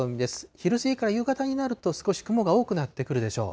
昼過ぎから夕方になると少し雲が多くなってくるでしょう。